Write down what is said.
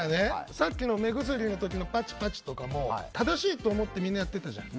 さっきの目薬の時のパチパチとかも正しいと思ってみんなやってたじゃん。